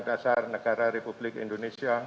dasar negara republik indonesia